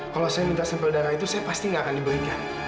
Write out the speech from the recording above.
kalau saya minta sampel darah itu saya pasti nggak akan diberikan